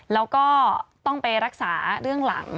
แล้วก็ต้องไปรักษาเรื่องหลัง